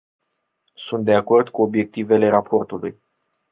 Sunt de acord cu obiectivele raportului.